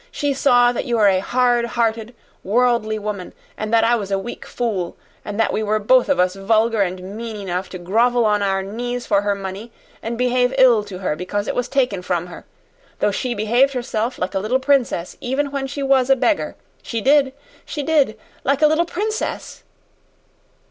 She saw that you were a hard hearted, worldly woman, and that I was a weak fool, and that we were both of us vulgar and mean enough to grovel on our knees for her money, and behave ill to her because it was taken from her though she behaved herself like a little princess even when she was a beggar. She did she did like a little princess!"